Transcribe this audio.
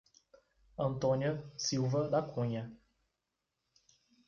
Antônia Silva da Cunha